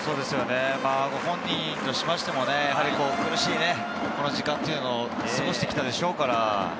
ご本人としても苦しい時間を過ごしてきたでしょうから。